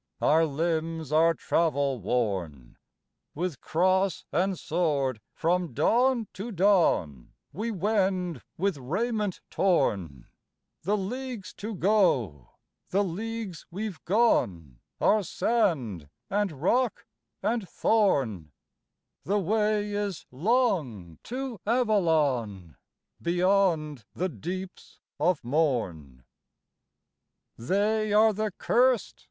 Our limbs are travel worn; With cross and sword from dawn to dawn We wend with raiment torn: The leagues to go, the leagues we've gone Are sand and rock and thorn The way is long to Avalon Beyond the deeps of morn." III. They are the curs'd!